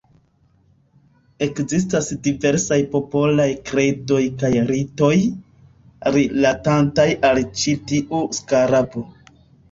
Ekzistas diversaj popolaj kredoj kaj ritoj, rilatantaj al ĉi tiu skarabo.